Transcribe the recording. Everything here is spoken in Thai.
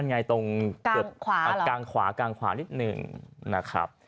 ในตรงกลางขวานิดนึงนะครับ